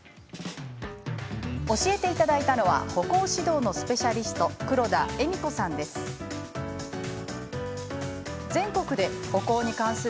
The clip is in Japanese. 教えていただいたのは歩行指導のスペシャリスト黒田恵美子さんです。